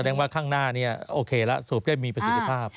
แสดงว่าข้างหน้านี้โอเคแล้วสูบได้มีประสิทธิภาพ